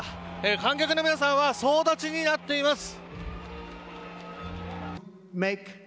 観客の皆さんは総立ちになっています。